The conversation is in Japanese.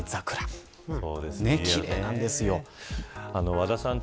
和田さん